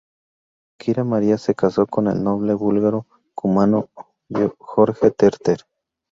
Kira María se casó con el noble búlgaro-cumano Jorge Terter.